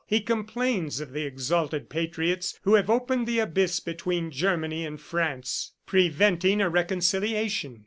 He complains of the exalted patriots who have opened the abyss between Germany and France, preventing a reconciliation.